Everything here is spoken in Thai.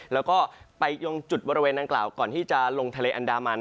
แล้วก็ไปยงจุดบริเวณนางกล่าวก่อนที่จะลงทะเลอันดามัน